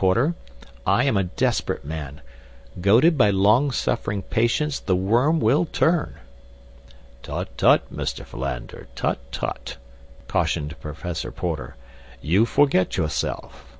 Porter! I am a desperate man. Goaded by long suffering patience the worm will turn." "Tut, tut, Mr. Philander, tut, tut!" cautioned Professor Porter; "you forget yourself."